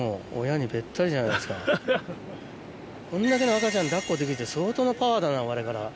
こんだけの赤ちゃん抱っこできるって相当なパワーだなワレカラ。